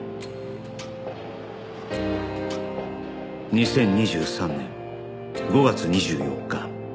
２０２３年５月２４日